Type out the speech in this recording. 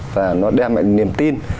và nó đem lại niềm tin